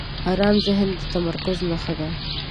آرام ذهن د تمرکز نښه ده.